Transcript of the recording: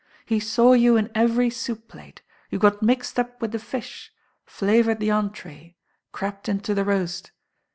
He saw you in every soup plate, you got muced up with the fish, flavoured the entree, crept into the roast.